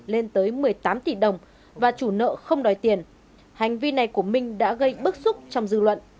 lên tới một mươi tám tỷ đồng và chủ nợ không đòi tiền hành vi này của minh đã gây bức xúc trong dư luận